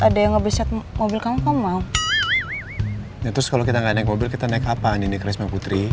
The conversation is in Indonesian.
dari sini langsung ke sekolahnya rena